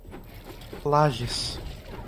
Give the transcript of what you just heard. Lages